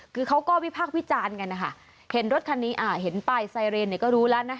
คือเขาก็วิพากษ์วิจารณ์กันนะคะเห็นรถคันนี้อ่าเห็นปลายไซเรนเนี่ยก็รู้แล้วนะ